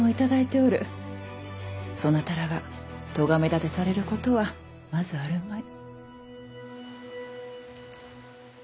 そなたらがとがめ立てされることはまずあるまい。